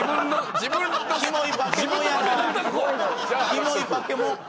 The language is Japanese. キモいバケモンやな。